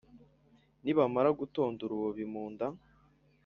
nibamara gutonda urubobi mu nda,